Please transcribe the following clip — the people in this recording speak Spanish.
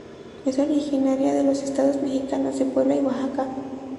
Es originaria de los estados mexicanos de Puebla y Oaxaca.